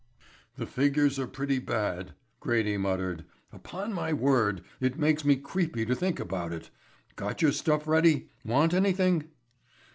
"The figures are pretty bad," Grady muttered. "Upon my word, it makes me creepy to think about it. Got your stuff ready? Want anything?"